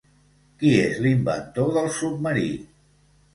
¿Qui és l'inventor del submarí?